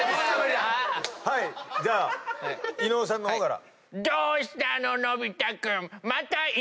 じゃあ伊野尾さんの方から。